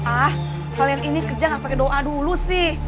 ah kalian ini kerja gak pakai doa dulu sih